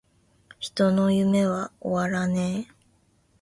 人の夢は!!!終わらねェ!!!!